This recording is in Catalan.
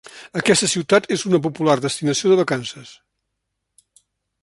Aquesta ciutat és una popular destinació de vacances.